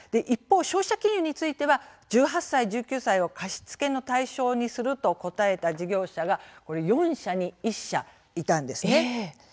一方消費者金融については１８歳１９歳を貸し付け対象にすると答えた事業者が４社に１社いたんです。